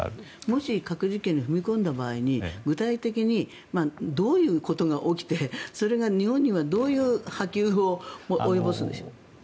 もし核実験に踏み込んだ場合に具体的にどういうことが起きてそれが日本にはどういう波及を及ぼすんでしょうか？